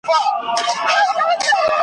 په ملګرو چي دي ګډه واویلا ده .